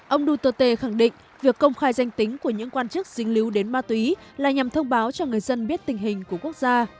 ông duterte khẳng định việc công khai danh tính của những quan chức dính líu đến ma túy là nhằm thông báo cho người dân biết tình hình của quốc gia